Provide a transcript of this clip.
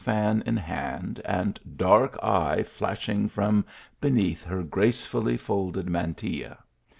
fan in hand and dark eye flashing from beneath her gracefully folded mantilla.